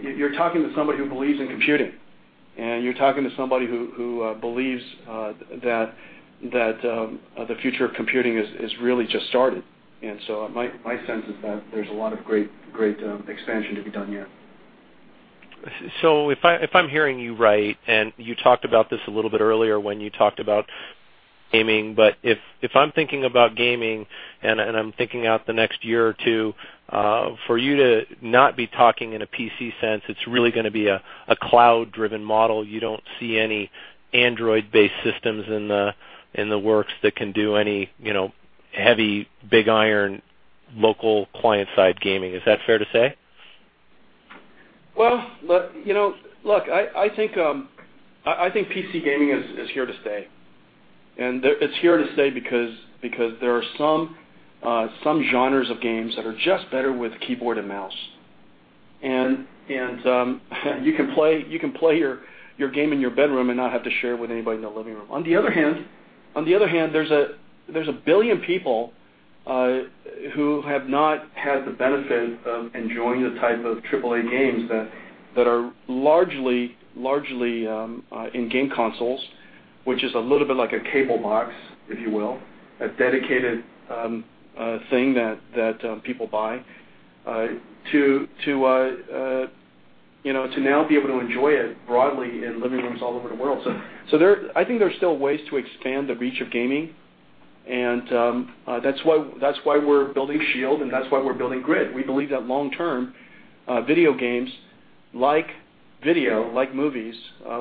You're talking to somebody who believes in computing, you're talking to somebody who believes that the future of computing has really just started. My sense is that there's a lot of great expansion to be done yet. If I'm hearing you right, and you talked about this a little bit earlier when you talked about gaming. If I'm thinking about gaming, and I'm thinking out the next year or two, for you to not be talking in a PC sense, it's really going to be a cloud-driven model. You don't see any Android-based systems in the works that can do any heavy, big iron, local client-side gaming. Is that fair to say? Well, look, I think PC gaming is here to stay. It's here to stay because there are some genres of games that are just better with keyboard and mouse. You can play your game in your bedroom and not have to share it with anybody in the living room. On the other hand, there's 1 billion people who have not had the benefit of enjoying the type of triple-A games that are largely in game consoles, which is a little bit like a cable box, if you will, a dedicated thing that people buy, to now be able to enjoy it broadly in living rooms all over the world. I think there's still ways to expand the reach of gaming. That's why we're building Shield. That's why we're building GRID. We believe that long-term, video games, like video, like movies,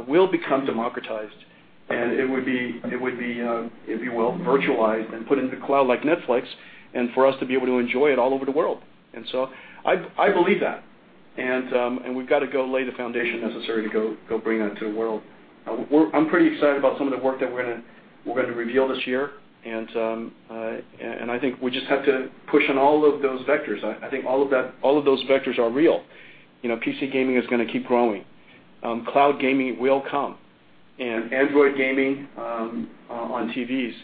will become democratized. It would be, if you will, virtualized and put into the cloud like Netflix, for us to be able to enjoy it all over the world. I believe that. We've got to go lay the foundation necessary to go bring that to the world. I'm pretty excited about some of the work that we're going to reveal this year. I think we just have to push on all of those vectors. I think all of those vectors are real. PC gaming is going to keep growing. Cloud gaming will come. Android gaming on TVs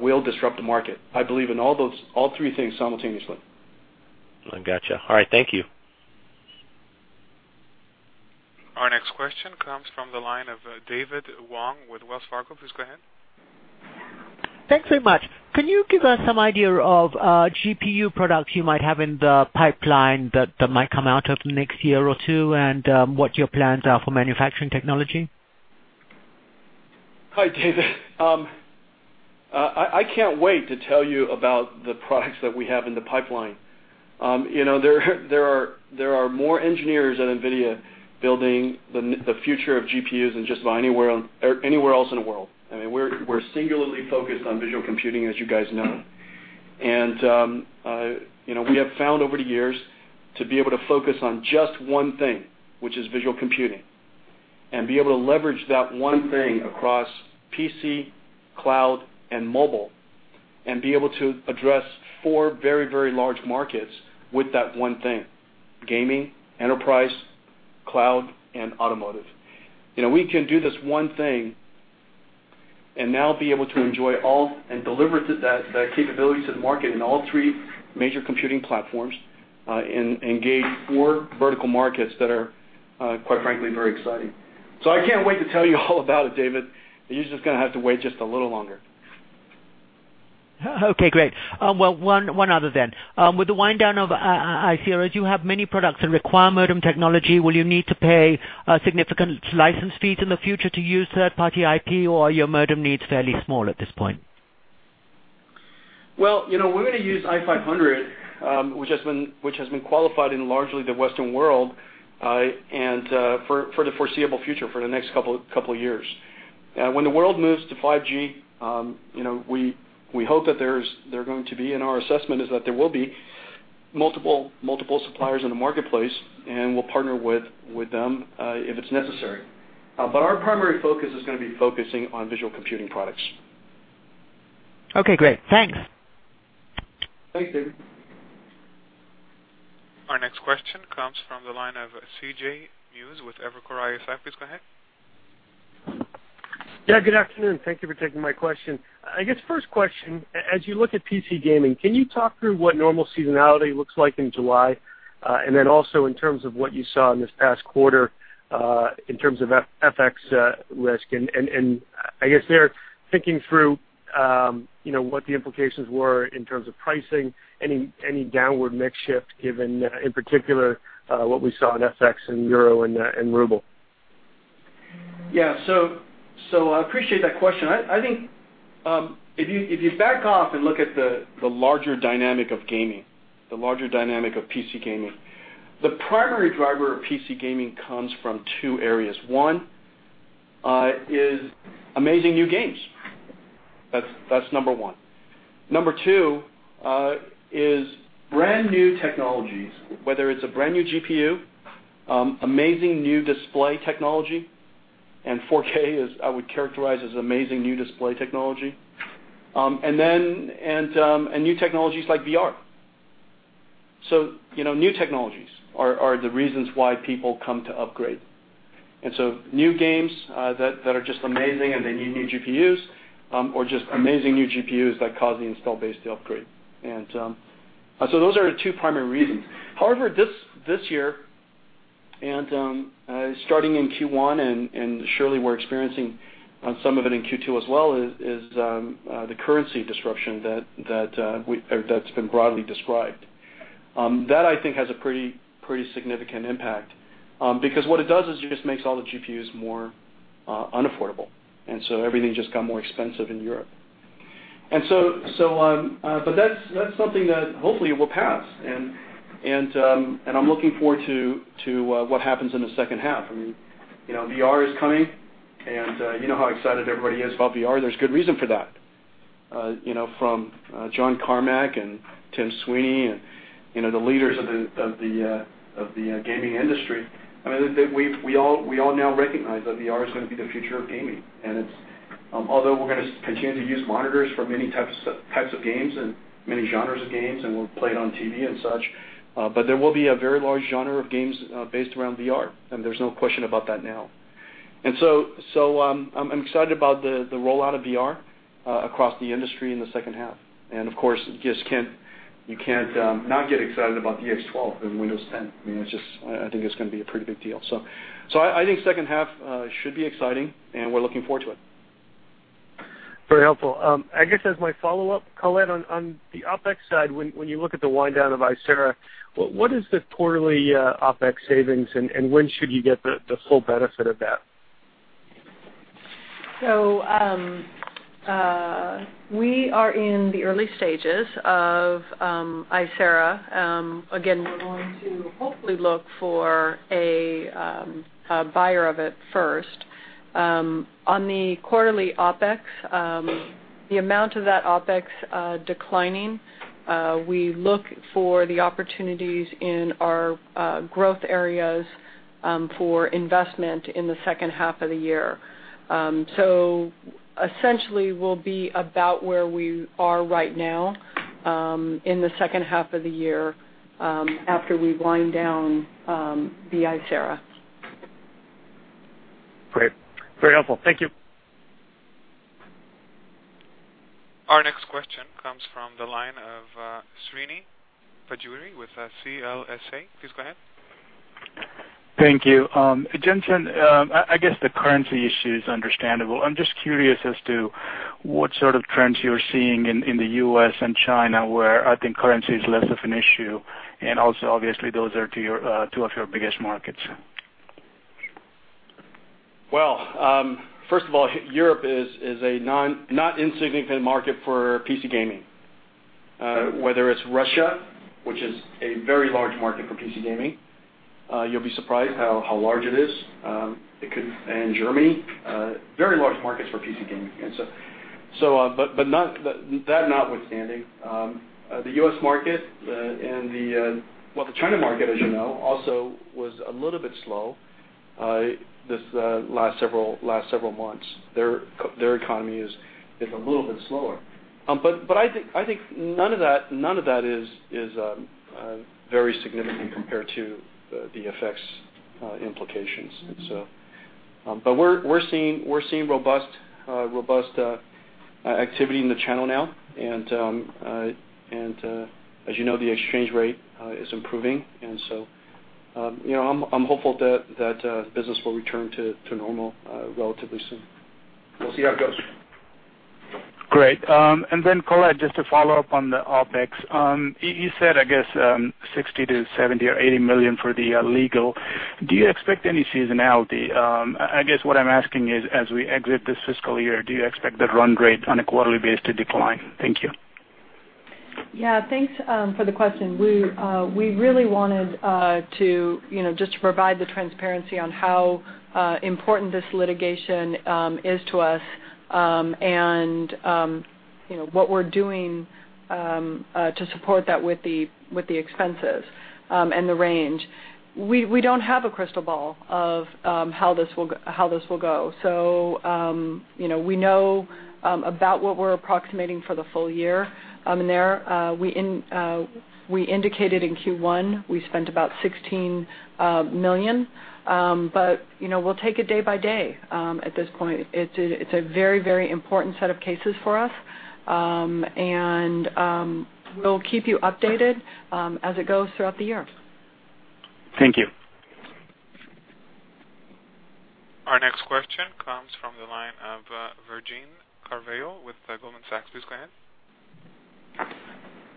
will disrupt the market. I believe in all three things simultaneously. Got you. All right, thank you. Our next question comes from the line of David Wong with Wells Fargo. Please go ahead. Thanks very much. Can you give us some idea of GPU products you might have in the pipeline that might come out over the next year or two, and what your plans are for manufacturing technology? Hi, David. I can't wait to tell you about the products that we have in the pipeline. There are more engineers at NVIDIA building the future of GPUs than just about anywhere else in the world. We're singularly focused on visual computing, as you guys know. We have found over the years to be able to focus on just one thing, which is visual computing, and be able to leverage that one thing across PC, cloud, and mobile, and be able to address four very large markets with that one thing, gaming, enterprise, cloud, and automotive. We can do this one thing and now be able to enjoy all and deliver that capability to the market in all three major computing platforms, and engage four vertical markets that are, quite frankly, very exciting. I can't wait to tell you all about it, David. You're just going to have to wait just a little longer. Okay, great. Well, one other then. With the wind down of Icera, you have many products that require modem technology. Will you need to pay significant license fees in the future to use third-party IP, or are your modem needs fairly small at this point? We're going to use i500, which has been qualified in largely the Western world, and for the foreseeable future, for the next couple of years. When the world moves to 5G, we hope that there are going to be, and our assessment is that there will be, multiple suppliers in the marketplace, and we'll partner with them if it's necessary. Our primary focus is going to be focusing on visual computing products. Great. Thanks. Thanks, David. Our next question comes from the line of C.J. Muse with Evercore ISI. Please go ahead. Good afternoon. Thank you for taking my question. First question, as you look at PC gaming, can you talk through what normal seasonality looks like in July? Also in terms of what you saw in this past quarter in terms of FX risk. I guess there, thinking through what the implications were in terms of pricing, any downward mix shift given in particular what we saw in FX and Euro and Ruble. I appreciate that question. I think if you back off and look at the larger dynamic of gaming, the larger dynamic of PC gaming, the primary driver of PC gaming comes from two areas. One is amazing new games. That's number one. Number two is brand new technologies, whether it's a brand new GPU, amazing new display technology, and 4K is I would characterize as amazing new display technology. New technologies like VR. New technologies are the reasons why people come to upgrade. New games that are just amazing and they need new GPUs or just amazing new GPUs that cause the install base to upgrade. Those are the two primary reasons. However, this year, starting in Q1 and surely we're experiencing some of it in Q2 as well, is the currency disruption that's been broadly described. That I think has a pretty significant impact. Because what it does is it just makes all the GPUs more unaffordable. Everything just got more expensive in Europe. That's something that hopefully will pass, and I'm looking forward to what happens in the second half. VR is coming, and you know how excited everybody is about VR. There's good reason for that. From John Carmack and Tim Sweeney and the leaders of the gaming industry, we all now recognize that VR is going to be the future of gaming. Although we're going to continue to use monitors for many types of games and many genres of games, and we'll play it on TV and such, but there will be a very large genre of games based around VR, and there's no question about that now. I'm excited about the rollout of VR across the industry in the second half. Of course, you can't not get excited about DX12 and Windows 10. I think it's going to be a pretty big deal. I think second half should be exciting, and we're looking forward to it. Very helpful. I guess as my follow-up, Colette, on the OpEx side, when you look at the wind down of Icera, what is the quarterly OpEx savings and when should you get the full benefit of that? We are in the early stages of Icera. Again, we're going to hopefully look for a buyer of it first. On the quarterly OpEx, the amount of that OpEx declining, we look for the opportunities in our growth areas, for investment in the second half of the year. Essentially, we'll be about where we are right now, in the second half of the year, after we wind down the Icera. Great. Very helpful. Thank you. Our next question comes from the line of Srini Pajjuri with CLSA. Please go ahead. Thank you. Jensen, I guess the currency issue is understandable. I'm just curious as to what sort of trends you're seeing in the U.S. and China, where I think currency is less of an issue. Also, obviously, those are two of your biggest markets. Well, first of all, Europe is a not insignificant market for PC gaming. Whether it's Russia, which is a very large market for PC gaming, you'll be surprised how large it is, and Germany, very large markets for PC gaming. That notwithstanding, the U.S. market and the China market, as you know, also was a little bit slow, this last several months. Their economy is a little bit slower. I think none of that is very significant compared to the FX implications, and so. We're seeing robust activity in the channel now, as you know, the exchange rate is improving. So, I'm hopeful that business will return to normal relatively soon. We'll see how it goes. Great. Then Colette, just to follow up on the OpEx. You said, I guess, $60 million-$70 million or $80 million for the legal. Do you expect any seasonality? I guess what I'm asking is, as we exit this fiscal year, do you expect the run rate on a quarterly basis to decline? Thank you. Yeah. Thanks for the question. We really wanted to just provide the transparency on how important this litigation is to us, and what we're doing to support that with the expenses, and the range. We don't have a crystal ball of how this will go. We know about what we're approximating for the full year in there. We indicated in Q1, we spent about $16 million. We'll take it day by day, at this point. It's a very important set of cases for us. We'll keep you updated as it goes throughout the year. Thank you. Our next question comes from the line of Toshiya Hari with Goldman Sachs. Please go ahead.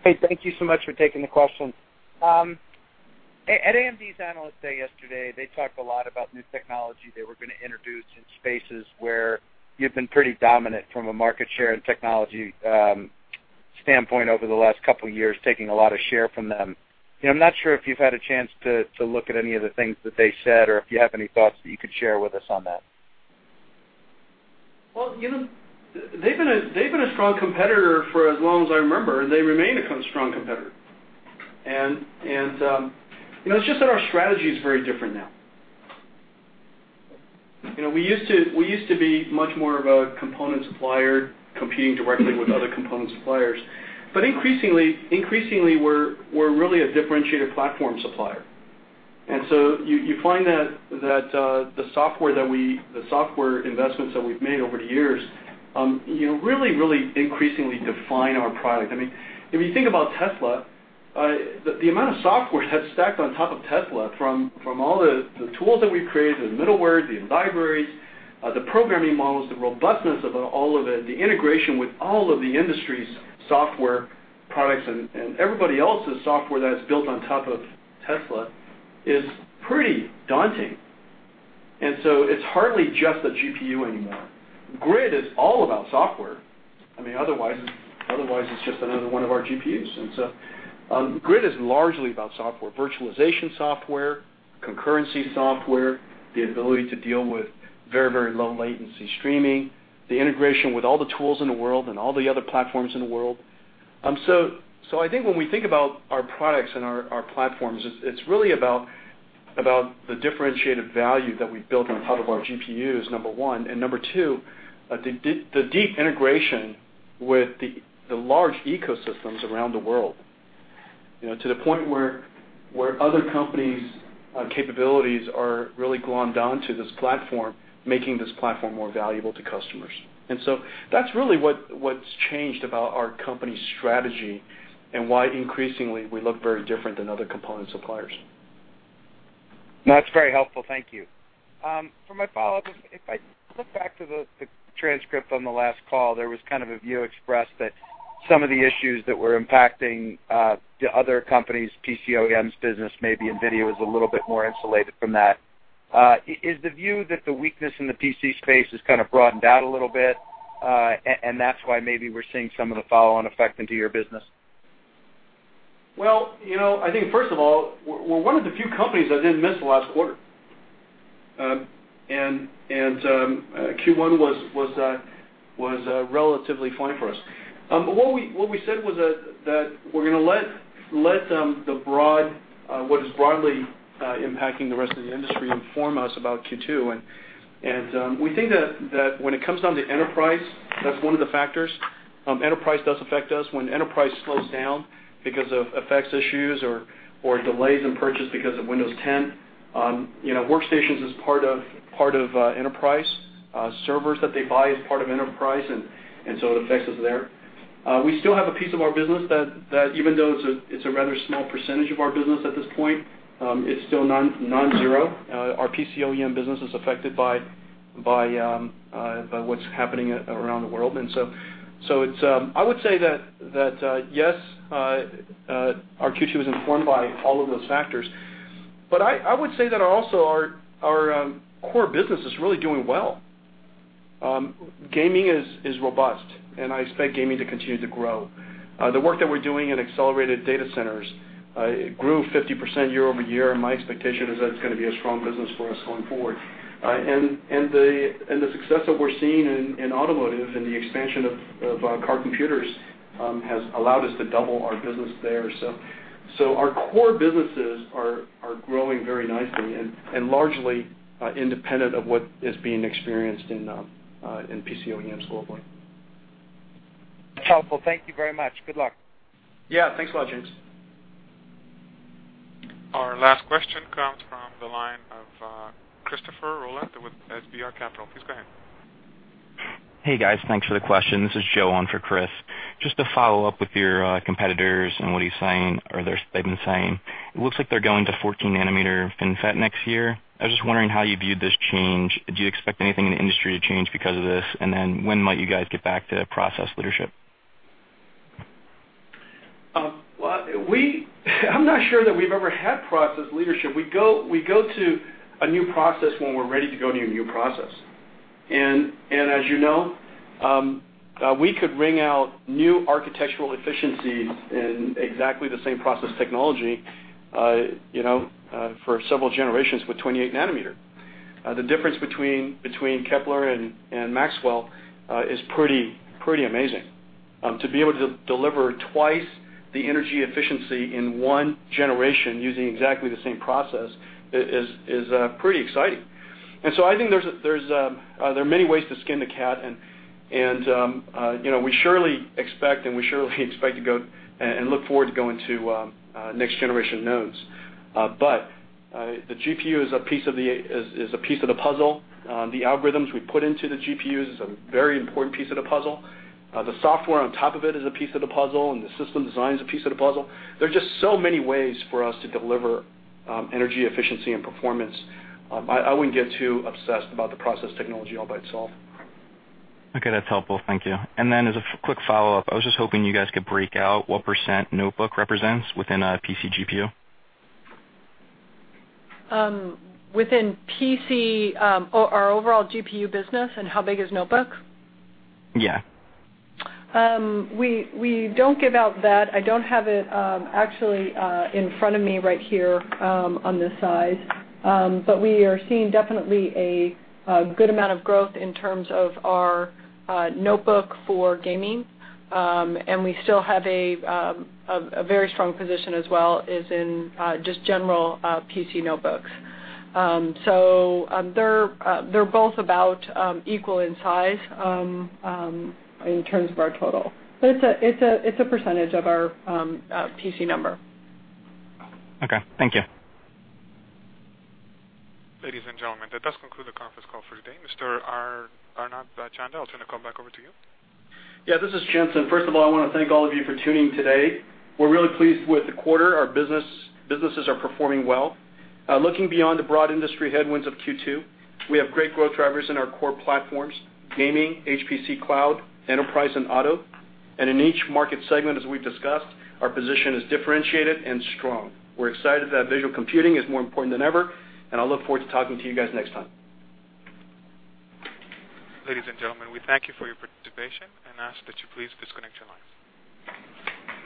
Hey, thank you so much for taking the question. At AMD's Analyst Day yesterday, they talked a lot about new technology they were going to introduce in spaces where you've been pretty dominant from a market share and technology standpoint over the last couple of years, taking a lot of share from them. I'm not sure if you've had a chance to look at any of the things that they said or if you have any thoughts that you could share with us on that. Well, they've been a strong competitor for as long as I remember, and they remain a strong competitor. It's just that our strategy is very different now. We used to be much more of a component supplier competing directly with other component suppliers. Increasingly, we're really a differentiated platform supplier. You find that the software investments that we've made over the years, really increasingly define our product. If you think about Tesla, the amount of software that's stacked on top of Tesla from all the tools that we've created, the middlewares, the libraries, the programming models, the robustness about all of it, the integration with all of the industry's software products, and everybody else's software that is built on top of Tesla, is pretty daunting. It's hardly just a GPU anymore. GRID is all about software. Otherwise, it's just another one of our GPUs. GRID is largely about software, virtualization software, concurrency software, the ability to deal with very low latency streaming, the integration with all the tools in the world and all the other platforms in the world. I think when we think about our products and our platforms, it's really about the differentiated value that we've built on top of our GPUs, number one. Number two, the deep integration with the large ecosystems around the world to the point where other companies' capabilities are really glommed onto this platform, making this platform more valuable to customers. That's really what's changed about our company's strategy and why increasingly we look very different than other component suppliers. That's very helpful. Thank you. For my follow-up, if I look back to the transcript on the last call, there was kind of a view expressed that some of the issues that were impacting the other company's PC OEM business, maybe NVIDIA was a little bit more insulated from that. Is the view that the weakness in the PC space has kind of broadened out a little bit, and that's why maybe we're seeing some of the follow-on effect into your business? Well, I think first of all, we're one of the few companies that didn't miss the last quarter. Q1 was relatively fine for us. What we said was that we're going to let what is broadly impacting the rest of the industry inform us about Q2, and we think that when it comes down to enterprise, that's one of the factors. Enterprise does affect us. When enterprise slows down because of effects issues or delays in purchase because of Windows 10, workstations is part of enterprise, servers that they buy is part of enterprise, it affects us there. We still have a piece of our business that even though it's a rather small percentage of our business at this point, it's still non-zero. Our PC OEM business is affected by what's happening around the world. I would say that, yes, our Q2 was informed by all of those factors. I would say that also our core business is really doing well. Gaming is robust, and I expect gaming to continue to grow. The work that we're doing in accelerated data centers, it grew 50% year-over-year, and my expectation is that it's going to be a strong business for us going forward. The success that we're seeing in automotive and the expansion of car computers has allowed us to double our business there. Our core businesses are growing very nicely and largely independent of what is being experienced in PC OEMs globally. That's helpful. Thank you very much. Good luck. Yeah. Thanks a lot, James. Our last question comes from the line of Christopher Rolland with FBR Capital Markets. Please go ahead. Hey, guys. Thanks for the question. This is Joe on for Chris. Just to follow up with your competitors and what he's saying, or they've been saying, it looks like they're going to 14 nanometer FinFET next year. I was just wondering how you viewed this change. Do you expect anything in the industry to change because of this? When might you guys get back to process leadership? I'm not sure that we've ever had process leadership. We go to a new process when we're ready to go to a new process. As you know, we could wring out new architectural efficiencies in exactly the same process technology for several generations with 28 nanometer. The difference between Kepler and Maxwell is pretty amazing. To be able to deliver twice the energy efficiency in one generation using exactly the same process is pretty exciting. I think there are many ways to skin a cat, and we surely expect to go and look forward to going to next generation nodes. The GPU is a piece of the puzzle. The algorithms we put into the GPUs is a very important piece of the puzzle. The software on top of it is a piece of the puzzle, and the system design is a piece of the puzzle. There are just so many ways for us to deliver energy efficiency and performance. I wouldn't get too obsessed about the process technology all by itself. Okay. That's helpful. Thank you. As a quick follow-up, I was just hoping you guys could break out what % notebook represents within a PC GPU. Within PC, our overall GPU business, how big is notebook? Yeah. We don't give out that. I don't have it actually in front of me right here on this side. We are seeing definitely a good amount of growth in terms of our notebook for gaming. We still have a very strong position as well, is in just general PC notebooks. They're both about equal in size in terms of our total. It's a percentage of our PC number. Okay. Thank you. Ladies and gentlemen, that does conclude the conference call for today. Mr. Arnab Chanda, I'll turn the call back over to you. Yeah, this is Jensen. First of all, I want to thank all of you for tuning today. We're really pleased with the quarter. Our businesses are performing well. Looking beyond the broad industry headwinds of Q2, we have great growth drivers in our core platforms, gaming, HPC Cloud, enterprise, and auto. In each market segment, as we've discussed, our position is differentiated and strong. We're excited that visual computing is more important than ever, I'll look forward to talking to you guys next time. Ladies and gentlemen, we thank you for your participation and ask that you please disconnect your lines.